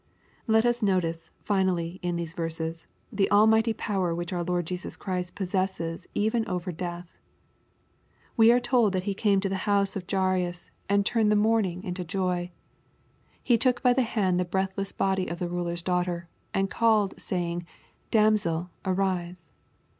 Let us notice, finally, in these verses, the almighty power which our Lord Jesus Christ possesses even over death. We are told that He came to the house of Jairua 288 . BXPOSITORY THOUGHTS. and turned the mourning into joy. He took by the hand the breathless body of the ruler's daughter^ " and called saying, damsel arise."